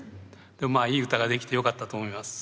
でもいい歌が出来てよかったと思います。